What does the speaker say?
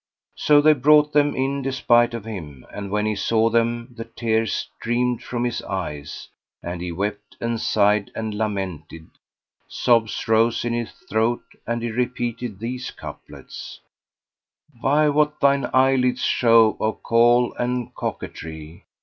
So they brought them in despite of him; and, when he saw them, the tears streamed from his eyes and he wept and sighed and lamented: sobs rose in his throat and he repeated these couplets, "By what thine eyelids show of Kohl and coquetry!